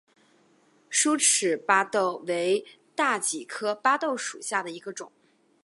疏齿巴豆为大戟科巴豆属下的一个种。